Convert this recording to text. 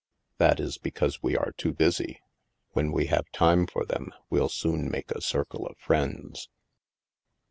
" That is because we are too busy. When we have time for them, we'll soon make a circle of friends."